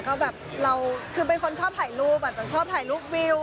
ก็แบบเราคือเป็นคนชอบถ่ายรูปอาจจะชอบถ่ายรูปวิว